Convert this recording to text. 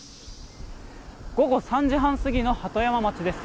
午後３時半過ぎの鳩山町です。